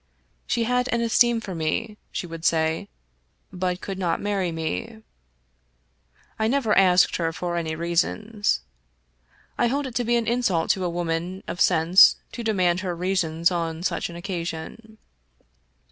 She had an esteem for me, she would say, but could not marry me. I never asked her for any reasons. I hold it to be an insult to a woman of sense to demand her reasons on such an occasion.